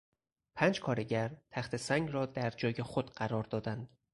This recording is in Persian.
پنج کارگر تخته سنگ را در جای خود قرار دادند.